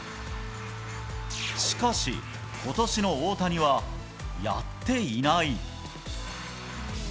しかし、ことしの大谷はやっていない。